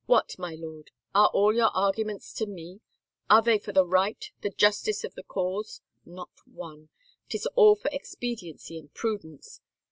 ... What, my lord, are all your arguments to me ? Are they for the right, the justice of the cause? Not one! Tis all for expediency and prudence.